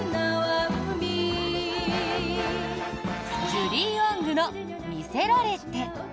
ジュディ・オングの「魅せられて」。